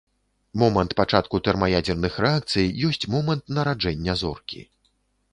Момант пачатку тэрмаядзерных рэакцый ёсць момант нараджэння зоркі.